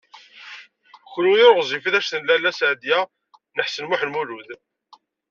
Kenwi ur ɣezzifit anect n Lalla Seɛdiya n Ḥsen u Muḥ Lmlud.